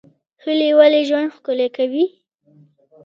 هیلې ولې ژوند ښکلی کوي؟